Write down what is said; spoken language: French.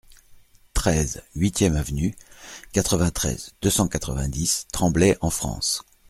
treize huitième Avenue, quatre-vingt-treize, deux cent quatre-vingt-dix, Tremblay-en-France